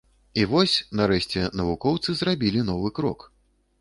І вось, нарэшце навукоўцы зрабілі новы крок.